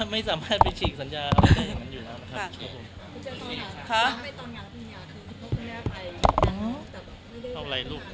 เรียกงานไปเรียบร้อยแล้ว